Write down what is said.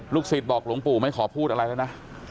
ศิษย์บอกหลวงปู่ไม่ขอพูดอะไรแล้วนะ